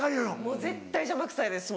もう絶対邪魔くさいです。